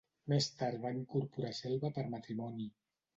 Més tard va incorporar Xelva per matrimoni.